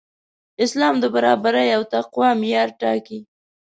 اسلام د برابرۍ او تقوی معیار ټاکي.